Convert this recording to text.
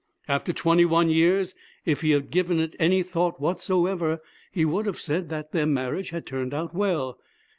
After twenty one years, if he had given it any thought whatsoever, he would have said that their marriage 'had turned out well.'